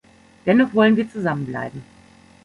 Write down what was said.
Dennoch wollen wir zusammenbleiben.